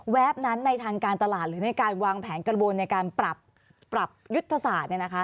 นั้นในทางการตลาดหรือในการวางแผนกระบวนในการปรับยุทธศาสตร์